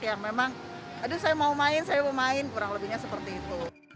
yang memang aduh saya mau main saya mau main kurang lebihnya seperti itu